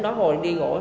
dạ súng đó hồi đi gỗ mua